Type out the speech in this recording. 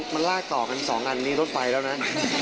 มันลากต่อกัน๒อันนี้รถไฟแล้วนะ